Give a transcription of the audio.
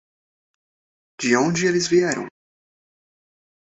De onde eles vieram?